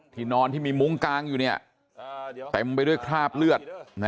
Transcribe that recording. นอนที่มีมุ้งกางอยู่เต็มไปด้วยคราบเลือด